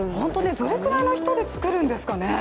どれくらいの人で作るんですかね。